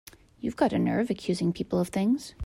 You've got a nerve accusing people of things!